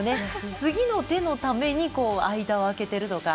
次の手のために間を開けているとか。